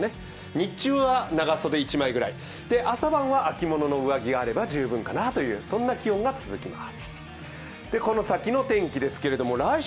日中は長袖１枚ぐらい、朝晩は秋物の上着が１枚あれば十分かなと、そんな気温が続きます。